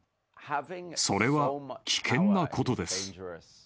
それは危険なことです。